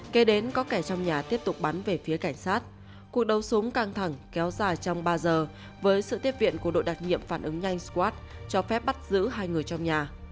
kế đến có kẻ trong nhà tiếp tục bắn về phía cảnh sát cuộc đấu súng căng thẳng kéo dài trong ba giờ với sự tiếp viện của đội đặc nhiệm phản ứng nhanh swatt cho phép bắt giữ hai người trong nhà